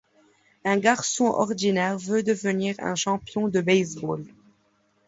Un garçon ordinaire veut devenir un champion de baseball.